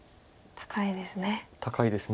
高いです。